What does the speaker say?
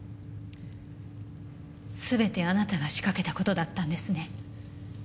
全てあなたが仕掛けた事だったんですね。